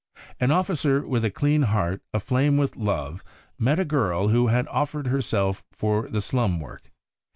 An Officer with a clean heart aflame with love met a girl who had offered herself for the Slum Work.